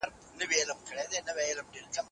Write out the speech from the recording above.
آیا موزیم تر پلورنځي ډېر اثار لري؟